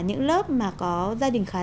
những lớp mà có gia đình khá